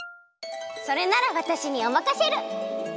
それならわたしにおまかシェル！